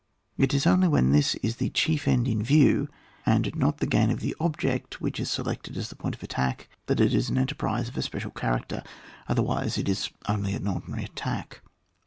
It is only when this is the chief end in view, and not the gain of the object which is selected as the point of attack, that it is an enter prise of a special character, otherwise it is only an ordinary attack.